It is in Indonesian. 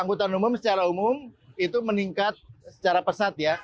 angkutan umum secara umum itu meningkat secara pesat ya